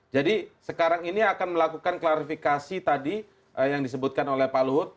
jadi sekarang ini akan melakukan klarifikasi tadi yang disebutkan oleh pak luhut